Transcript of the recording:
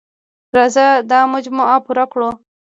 راځه دا مجموعه پوره کړو.